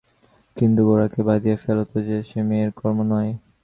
কিন্তু গোরাকে বাঁধিয়া ফেলা তো যে সে মেয়ের কর্ম নয়।